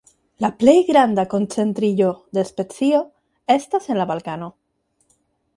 La plej granda koncentriĝo de specio estas en la Balkano.